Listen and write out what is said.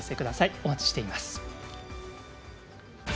お待ちしています。